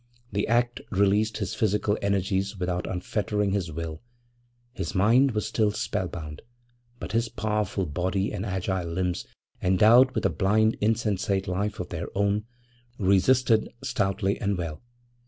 The act released his physical energies without unfettering his will; his mind was still spellbound, but his powerful body and agile limbs, endowed with a blind, insensate life of their own, resisted stoutly and well.